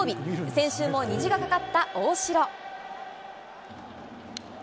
先週も虹がかかった大城。